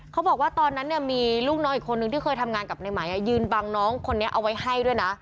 เขาบอกว่าตอนนั้นเนี่ยมีลูกน้องอีกคนนึงที่เคยทำงานกับในไหมยืนบังน้องคนนี้เอาไว้ให้ด้วยนะ